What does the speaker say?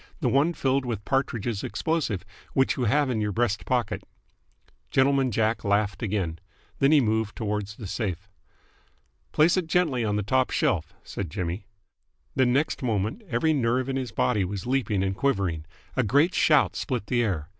The one filled with Partridge's explosive, which you have in your breast pocket." Gentleman Jack laughed again. Then he moved towards the safe. "Place it gently on the top shelf," said Jimmy. The next moment every nerve in his body was leaping and quivering. A great shout split the air.